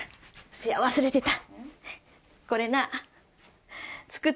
せや忘れてた。